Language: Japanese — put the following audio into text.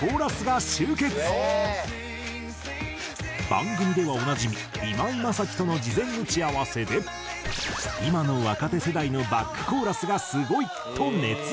番組ではおなじみ今井マサキとの事前打ち合わせで「今の若手世代のバックコーラスがすごい！」と熱弁。